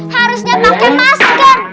harusnya pake masker